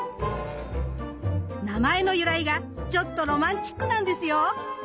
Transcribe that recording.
名前の由来がちょっとロマンチックなんですよ。